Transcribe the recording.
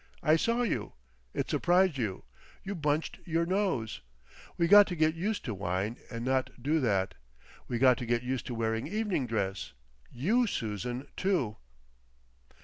I saw you. It surprised you. You bunched your nose. We got to get used to wine and not do that. We got to get used to wearing evening dress—you, Susan, too."